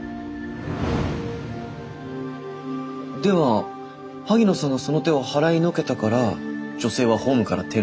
では萩野さんがその手を払いのけたから女性はホームから転落したんですね？